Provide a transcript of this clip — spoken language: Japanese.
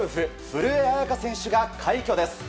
古江彩佳選手が快挙です。